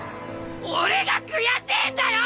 俺が悔しいんだよ！